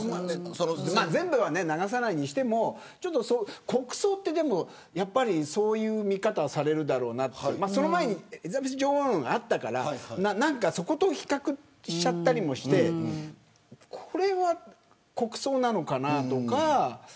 全部は流さないにしても国葬はそういう見方をされるだろうなというその前にエリザベス女王のがあったからそこと比較しちゃったりもしてこれが国葬なのかなとか。